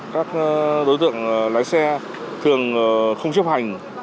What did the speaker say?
các đối tượng lái xe thường không chấp hành